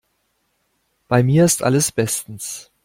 Bei mir ist alles bestens.